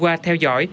qua theo dõi